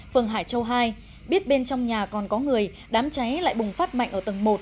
phường hải châu hai biết bên trong nhà còn có người đám cháy lại bùng phát mạnh ở tầng một